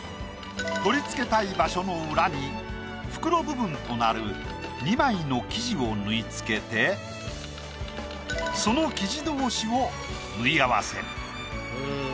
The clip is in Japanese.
取り付けたい場所の裏に袋部分となる２枚の生地を縫い付けてその生地同士を縫い合わせる。